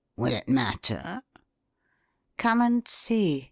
Will it matter?" "Come and see!"